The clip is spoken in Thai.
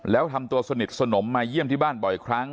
แล้วทำตัวสนิทสนมมาเยี่ยมที่บ้านบ่อยครั้ง